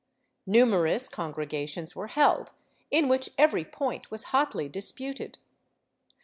Numerous congregations were held, in which every point was hotly disputed.